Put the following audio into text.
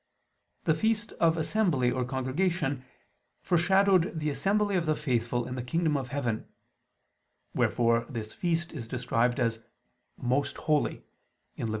The feast of Assembly or Congregation foreshadowed the assembly of the faithful in the kingdom of heaven: wherefore this feast is described as "most holy" (Lev.